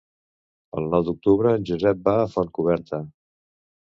El nou d'octubre en Josep va a Fontcoberta.